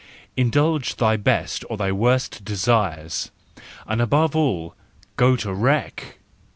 Indulge thy best or thy worst desires, and above all, go to wreck